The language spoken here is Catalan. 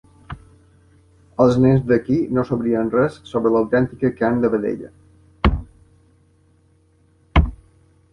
Els nens d'aquí no sabrien res sobre l'autèntica carn de vedella.